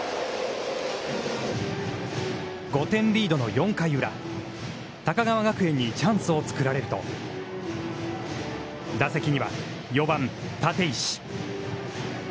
５点リードの４回裏高川学園にチャンスを作られると打席には、４番立石。